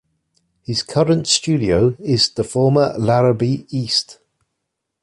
His current studio is the former Larrabee East.